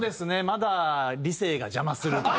まだ理性が邪魔する。